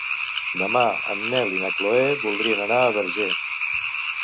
Demà en Nel i na Chloé voldrien anar al Verger.